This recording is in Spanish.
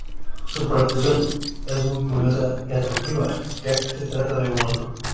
Su profesión es muy curiosa y atractiva, ya que se trata de un mago.